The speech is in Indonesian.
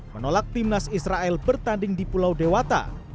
menolak timnas israel bertanding di pulau dewata